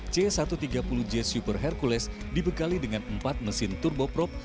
c satu ratus tiga puluh j super hercules dibekali dengan empat mesin turboprop